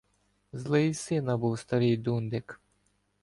Злий з сина був старий дундук.